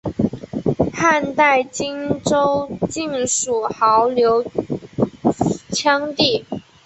汉代今州境属牦牛羌地。